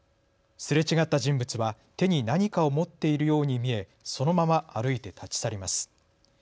すれ違った人物は手に何かを持っているように見えそのまま歩いて立ち去ります。